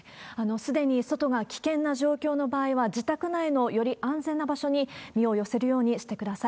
すでに外が危険な状況の場合は、自宅内のより安全な場所に身を寄せるようにしてください。